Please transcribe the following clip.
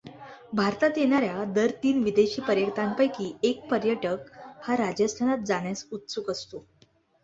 भारतात येणार् या दर तीन विदेशी पर्यटकांपैकी एक पर्यटक हा राजस्थानात जाण्यास उत्सुक असतो.